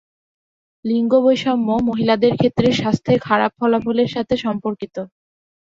লিঙ্গ বৈষম্য, মহিলাদের ক্ষেত্রে স্বাস্থ্যের খারাপ ফলাফলের সাথে সম্পর্কিত।